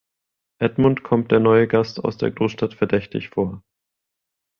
Edmund kommt der neue Gast aus der Großstadt verdächtig vor.